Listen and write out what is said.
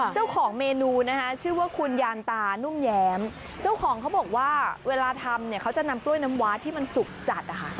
เจ้าของเมนูนะคะชื่อว่าคุณยานตานุ่มแย้มเจ้าของเขาบอกว่าเวลาทำเนี่ยเขาจะนำกล้วยน้ำวาที่มันสุกจัดนะคะ